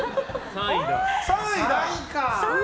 ３位か。